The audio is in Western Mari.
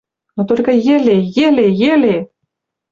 Но толькы йӹле, йӹле, йӹле.